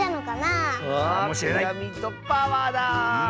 あピラミッドパワーだ！